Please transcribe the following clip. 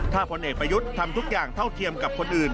ถ้าพลเอกประยุทธ์ทำทุกอย่างเท่าเทียมกับคนอื่น